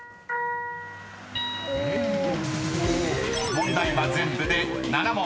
［問題は全部で７問。